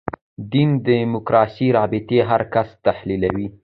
دین دیموکراسي رابطې هر کس تحلیلوي.